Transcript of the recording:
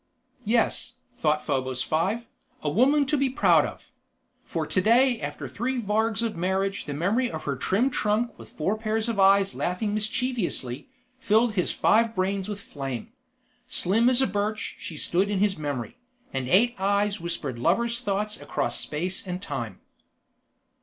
Yes, thought Probos Five, a woman to be proud of; for today after three vargs of marriage the memory of her trim trunk with four pairs of eyes laughing mischievously, filled his five brains with flame. Slim as a birch she stood in his memory, and eight eyes whispered lovers' thoughts across space and time.